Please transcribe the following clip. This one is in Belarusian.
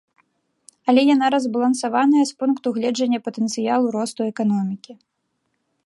Але яна разбалансаваная з пункту гледжання патэнцыялу росту эканомікі.